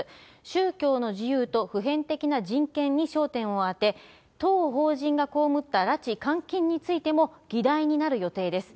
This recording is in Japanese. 宗教の自由と普遍的な人権に焦点を当て、当法人が被った拉致監禁についても議題になる予定です。